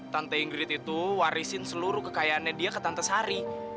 tante ingrid itu warisin seluruh kekayaannya dia ke tante sari